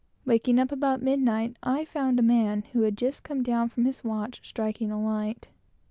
Waking up about midnight, I found a man who had just come down from his watch, striking a light.